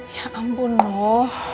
ya ampun noh